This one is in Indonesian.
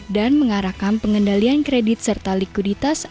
dan mengarahkan pengendalian kredit serta likuiditas